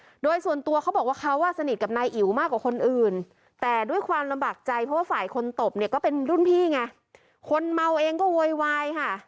โดยส่วนตัวเขาบอกว่าเขาอ่ะสนิทกับนายอิ๋วมากกว่าคนอื่นแต่ด้วยความลำบากใจเพราะว่าฝ่ายคนตบเนี่ยก็เป็นรุ่นพี่ไงคนเมาเองก็โวยวายค่ะ